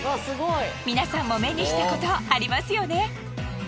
皆さんも目にしたことありますよね？